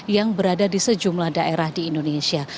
yang berada di sejumlah daerah di indonesia